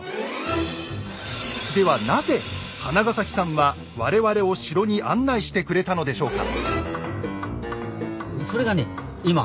ではなぜ花ケ前さんは我々を城に案内してくれたのでしょうか。